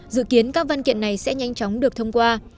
dự kiến các văn kiện này sẽ nhanh chóng được thông qua